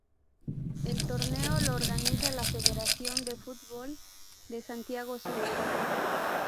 El torneo lo organiza la federación de fútbol de Santiago Sur.